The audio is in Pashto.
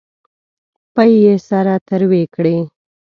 پۍ یې سره تروې کړې.